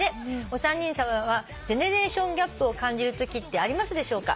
「お三人さまはジェネレーションギャップを感じるときってありますでしょうか？